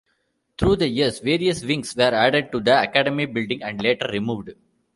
Through the years, various wings were added to the Academy building and later removed.